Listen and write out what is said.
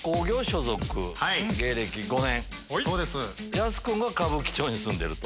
ヤス君が歌舞伎町に住んでると。